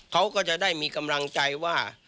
เขาก็จะได้มีกำลังใจว่า